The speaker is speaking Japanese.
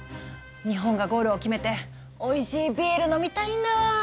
日本がゴールを決めておいしいビール飲みたいんだわ。